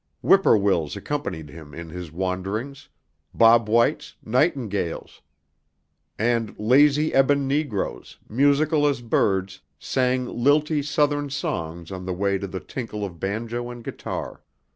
Whip poor wills accompanied him in his wanderings, Bob Whites, Nightingales; and lazy ebon negroes, musical as birds, sang lilting Southern songs on the way to the tinkle of banjo and guitar.